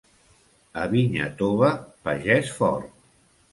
A vinya tova, pagès fort.